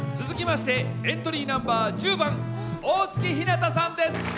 続きましてエントリーナンバー１０番大月ひなたさんです！